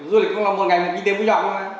du lịch cũng là một ngày một cái đêm vui nhọc luôn đấy